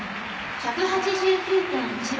１８９．１６。